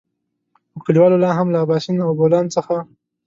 خو کليوالو لاهم له اباسين او بولان څخه.